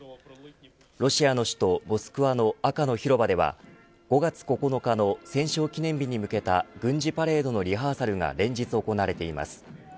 ロシアの首都モスクワの赤の広場では５月９日の戦勝記念日に向けた軍事パレードのリハーサルが連日行われています。